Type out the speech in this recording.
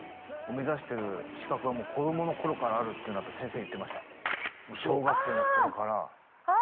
獣医師を目指す資格はもう子供の頃からあるっていうのはやっぱ先生言ってました小学生の頃からあ！